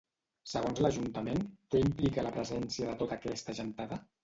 Segons l'ajuntament, què implica la presència de tota aquesta gentada?